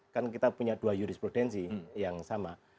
kan kita punya dua jurisprudensi yang sama